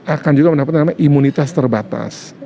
akan juga mendapatkan imunitas terbatas